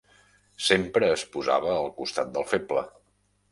Sempre es posava al costat del feble